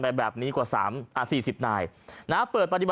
ท่านพรุ่งนี้ไม่แน่ครับ